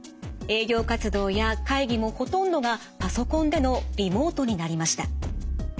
営業活動や会議もほとんどがパソコンでのリモートになりました。